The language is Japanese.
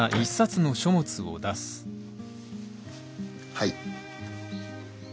はい。